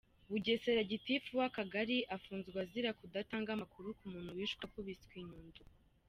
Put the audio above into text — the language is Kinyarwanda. Bugesera:Gitifu w’Akagari afunzwe azira kudatanga amakuru ku muntu wishwe akubiswe inyundo.